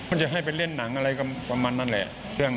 จะให้ไปเล่นหนังอะไรประมาณนั้นแหละ